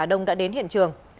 và hà đông đã đến hiện trường